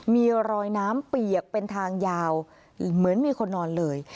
มีรอยน้ำเปียกเป็นทางยาวเหมือนมีคนนอนเลย